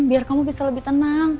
biar kamu bisa lebih tenang